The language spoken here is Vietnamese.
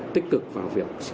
tích cực vào việc